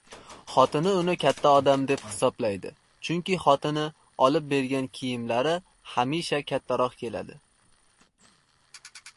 Xotini uni katta odam deb hisoblaydi, chunki xotini olib bergan kiyimlari hamisha kattaroq keladi.